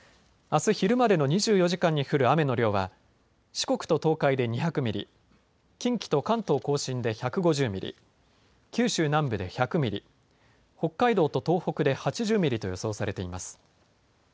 あす昼までの２４時間に降る雨の量は四国と東海で２００ミリ、近畿と関東甲信で１５０ミリ、九州南部で１００ミリ、北海道と東北で８０ミリと予想されています。